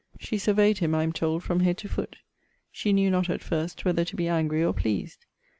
She surveyed him, I am told, from head to foot. She knew not, at first, whether to be angry or pleased.